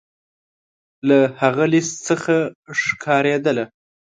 له هغه لیست څخه ښکارېدله.